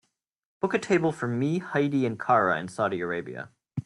book a table for me, heidi and cara in Saudi Arabia